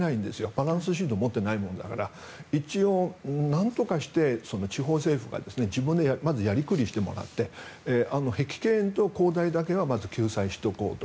バランスシートを持ってないものだから一応、なんとかして地方政府が自分でやりくりしてもらって碧桂園と恒大だけはまず救済しておこうと。